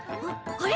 あれ？